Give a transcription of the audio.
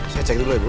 saya cek dulu ibu